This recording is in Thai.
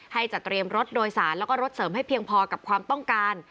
จะเตรียมรถโดยสารแล้วก็รถเสริมให้เพียงพอกับความต้องการ